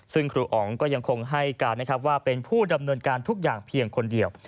ซึ่งครูอ๋องก็ยังคงให้การนะครับว่าเป็นผู้ดำเนินการทุกอย่างเพียงคนเดียว